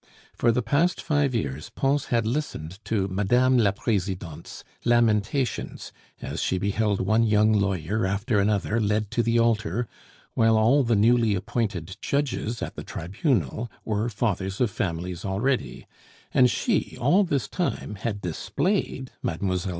For the past five years Pons had listened to Mme. la Presidente's lamentations as she beheld one young lawyer after another led to the altar, while all the newly appointed judges at the Tribunal were fathers of families already; and she, all this time, had displayed Mlle.